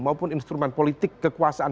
maupun instrumen politik kekuasaan